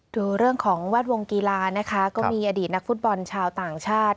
ดูเรื่องของแวดวงกีฬานะคะก็มีอดีตนักฟุตบอลชาวต่างชาติ